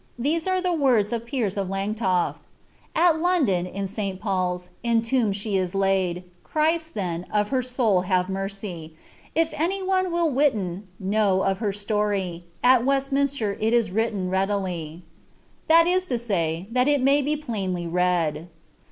These are the words of Piers of Langtoft :—At London, in St, Paul's, in tomb she is laid, Christ, then, of her soul have mercie. If any one will toUten (know) of her storie, At Westminster it is written readily.^* > saVi so that it may be plainly read.